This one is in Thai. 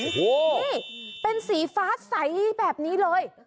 นี่เป็นสีฟ้าใสแบบนี้เลย